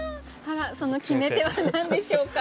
その決め手は何でしょうか？